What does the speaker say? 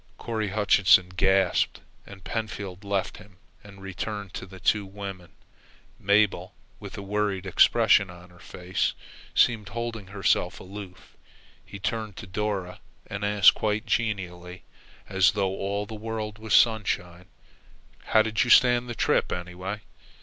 Corry Hutchinson gasped, and Pentfield left him and returned to the two women. Mabel, with a worried expression on her face, seemed holding herself aloof. He turned to Dora and asked, quite genially, as though all the world was sunshine: "How did you stand the trip, anyway?